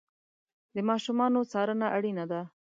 د ماشومانو څارنه اړینه ده.